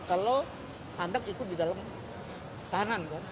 kalau anak ikut di dalam tahanan kan